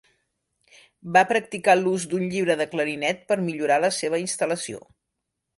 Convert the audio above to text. Va practicar l'ús d'un llibre de clarinet per millorar la seva instal·lació.